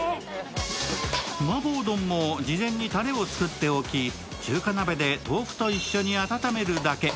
麻婆丼も事前にたれを作っておき、中華鍋で豆腐と一緒に温めるだけ。